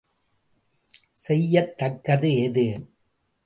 செய்யத் தக்கது எது?